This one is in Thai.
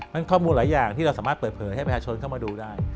ข้อมูลหลายอย่างที่เราสามารถเปิดเผยให้ประชาชนเข้ามาดูได้